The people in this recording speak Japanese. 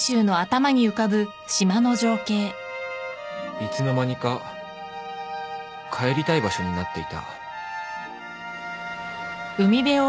いつの間にか帰りたい場所になっていた